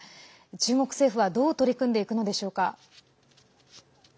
中国政府はどう取り組んでいくのでしょうか。